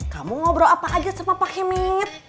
kamu ngobrol apa aja sama pak heming